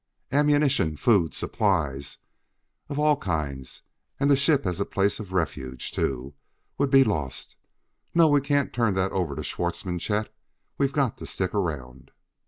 Ammunition, food, supplies of all kinds, and the ship as a place of refuge, too, would be lost. No, we can't turn that over to Schwartzmann, Chet; we've got to stick around."